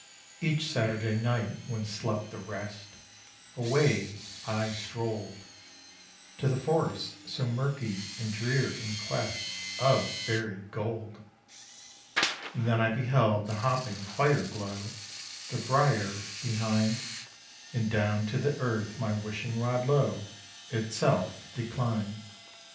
Each Saturday night, when slept the rest, Away I stroll'd To the forest, so murky and drear, in quest Of buried gold. And then I beheld the hopping fire glow The briar behind; And down to the earth my wishing rod low Itself declin'd.